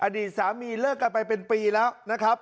อดีตสามีเลิกกันไปเป็นปีแล้วนะครับ